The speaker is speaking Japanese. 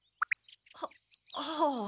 ははあ。